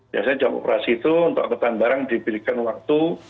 biasanya jam operasi itu untuk angkutan barang diberikan waktu